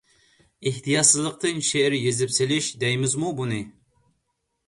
ئېھتىياتسىزلىقتىن شېئىر يېزىپ سېلىش دەيمىزمۇ بۇنى؟ !